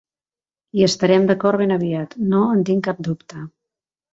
Hi estarem d'acord ben aviat, no en tinc cap dubte!